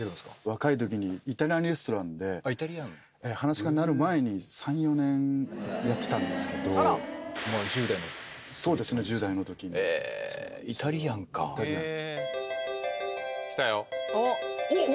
若い時にイタリアンレストランで噺家になる前に３４年やってたんですけどまぁ１０代のそうですね１０代の時にえぇイタリアンかイタリアンです来たよおっ！